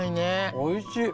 おいしい！